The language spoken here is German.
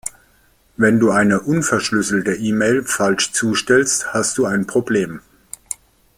Wenn du eine unverschlüsselte E-Mail falsch zustellst, hast du ein Problem.